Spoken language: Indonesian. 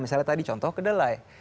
misalnya tadi contoh kedelai